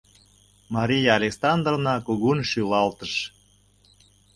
Мария Александровна кугун шӱлалтыш.